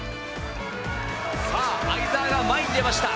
さあ、相澤が前に出ました。